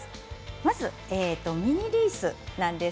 まずミニリース。